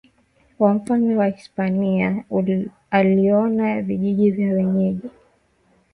wa mfalme wa Hispania aliona vijiji vya wenyeji